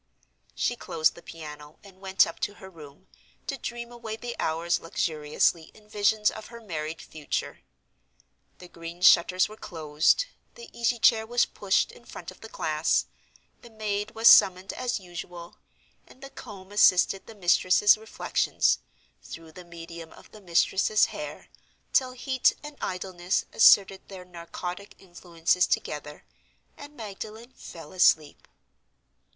She closed the piano and went up to her room, to dream away the hours luxuriously in visions of her married future. The green shutters were closed, the easy chair was pushed in front of the glass, the maid was summoned as usual; and the comb assisted the mistress's reflections, through the medium of the mistress's hair, till heat and idleness asserted their narcotic influences together, and Magdalen fell asleep.